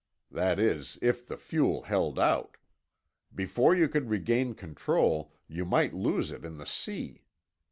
That is, if the fuel held out. Before you could regain control, you might lose it in the sea.